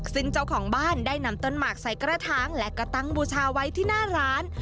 ซึ่งเจ้าของบ้านได้นำต้นหมากใส่กระถางและก็ตั้งบูชาไว้ที่หน้าร้าน